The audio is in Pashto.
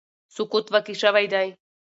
سقوط واقع شوی دی